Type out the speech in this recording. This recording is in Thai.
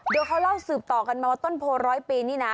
เดี๋ยวเขาเล่าสืบต่อกันมาว่าต้นโพร้อยปีนี่นะ